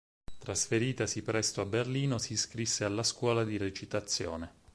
Trasferitasi presto a Berlino si iscrisse alla scuola di recitazione.